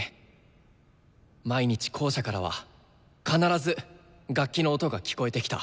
毎日校舎からは必ず楽器の音が聴こえてきた。